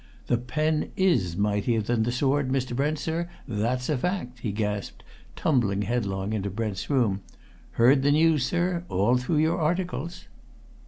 "The pen is mightier than the sword, Mr. Brent, sir, that's a fact," he gasped, tumbling headlong into Brent's room. "Heard the news, sir? All through your articles!"